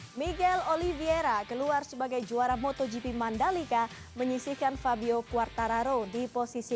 hai miguel oliviera keluar sebagai juara motogp mandalika menyisihkan fabio quartararo di posisi